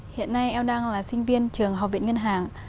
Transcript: hiện nay em đang là sinh viên trường học viện ngân hàng